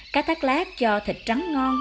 cá thác lát cho thịt trắng ngon